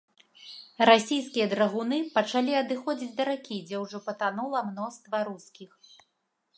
Расійскія драгуны пачалі адыходзіць да ракі, дзе ўжо патанула мноства рускіх.